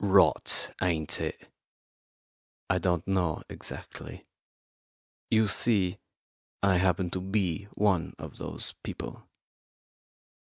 "Rot, ain't it?" "I don't know exactly. You see, I happen to be one of those people."